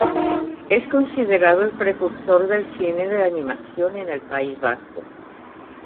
Es considerado el precursor del cine de animación en el País Vasco.